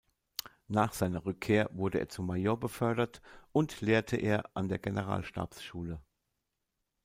Nach seiner Rückkehr wurde er zum Major befördert und lehrte er an der Generalstabsschule.